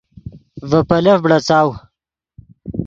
ڤے پیلف بڑاڅاؤ